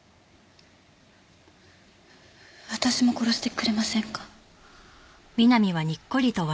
私も殺してくれませんか？